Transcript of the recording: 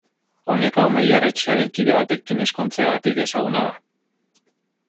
Oneka omeiar etxearen kide batekin ezkontzeagatik ezaguna da.